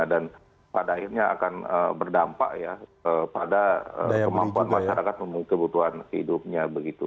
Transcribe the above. dan pada akhirnya akan berdampak ya pada kemampuan masyarakat memiliki kebutuhan hidupnya